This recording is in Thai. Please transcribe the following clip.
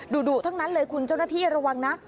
ดุทั้งนั้นเลยคุณเจ้าหน้าที่ระวังนะ